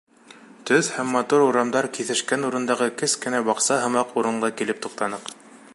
Төҙ һәм матур урамдар киҫешкән урындағы кескенә баҡса һымаҡ урынға килеп туҡтаныҡ.